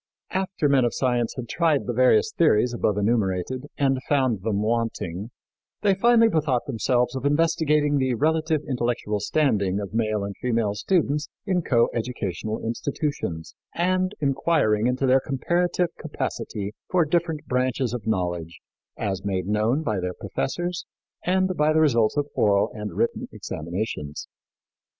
After men of science had tried the various theories above enumerated and found them wanting, they finally bethought themselves of investigating the relative intellectual standing of male and female students in coeducational institutions, and inquiring into their comparative capacity for different branches of knowledge, as made known by their professors and by the results of oral and written examinations.